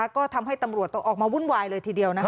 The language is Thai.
ก็ทำให้ตำรวจต้องออกมาวุ่นวายเลยทีเดียว